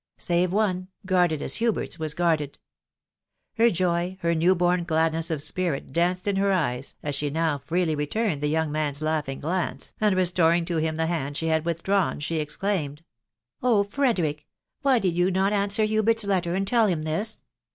save one, guarded as Hsbert'a mat guarded. Her joy, her new born gladness of spirit, her eyes, as she now freely returned the yosng man's glance, and, restoring to him the hand she had wilaulias'n, est exclaimed, u Ob ! Frederick •... why did yen Hubert's letter, and tell him this